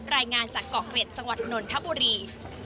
รายงานจากเกาะเกร็ดจังหวัดนนทบุรี